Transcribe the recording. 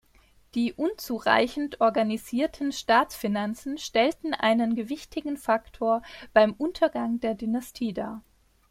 Die unzureichend organisierten Staatsfinanzen stellten einen gewichtigen Faktor beim Untergang der Dynastie dar.